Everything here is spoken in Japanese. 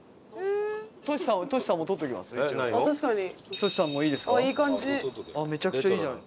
トシさんもいいですか？